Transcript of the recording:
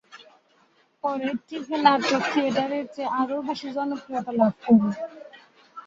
পরে, টিভি নাটক থিয়েটারের চেয়ে আরও বেশি জনপ্রিয়তা লাভ করে।